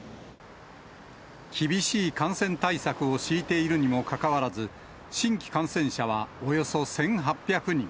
厳しい感染対策を敷いているにもかかわらず、新規感染者はおよそ１８００人。